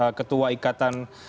dan ketua ikatan